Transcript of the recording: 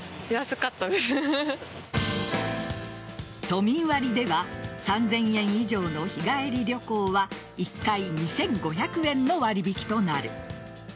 都民割では３０００円以上の日帰り旅行は１回２５００円の割引となる。